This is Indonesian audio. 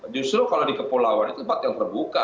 justru kalau di kepulauan itu tempat yang terbuka